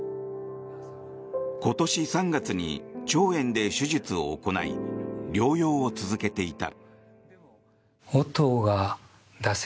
今年３月に腸炎で手術を行い療養を続けていた。